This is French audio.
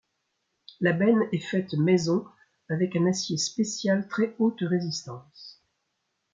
La benne est faite maison avec un acier spécial très haute résistance.